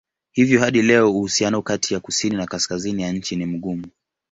Hivyo hadi leo uhusiano kati ya kusini na kaskazini ya nchi ni mgumu.